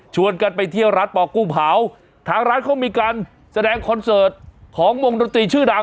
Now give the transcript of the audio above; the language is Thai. กันไปเที่ยวร้านปอกุ้งเผาทางร้านเขามีการแสดงคอนเสิร์ตของวงดนตรีชื่อดัง